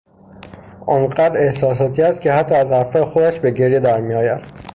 آنقدر احساساتی استکه حتی از حرفهای خودش به گریه درمیآید.